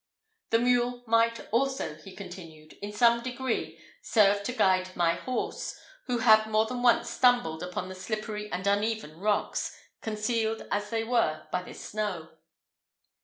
The mule might also, he continued, in some degree serve to guide my horse, who had more than once stumbled upon the slippery and uneven rocks, concealed as they were by the snow.